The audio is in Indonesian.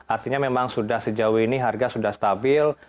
artinya memang sudah sejauh ini harga sudah stabil